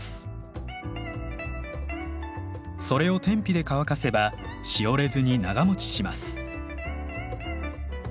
それを天日で乾かせばしおれずに長もちします。